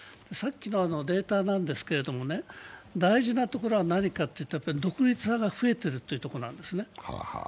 さっきのデータですけれども、大事なところは何かというと独立派が増えてるというところなんです。